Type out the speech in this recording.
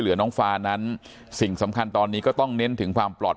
น้องฟานั้นสิ่งสำคัญตอนนี้ก็ต้องเน้นถึงความปลอด